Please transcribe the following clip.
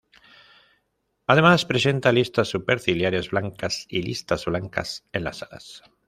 Además presenta listas superciliares blancas y listas blancas en las alas.